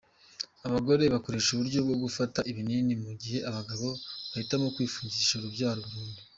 Abagore bakoresha uburyo bwo gufata ibinini mu gihe abagabo bahitamo kwifungisha urubyaro burundu.